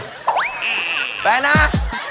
ไม่ได้